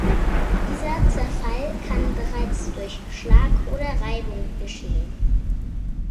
Dieser Zerfall kann bereits durch Schlag oder Reibung geschehen.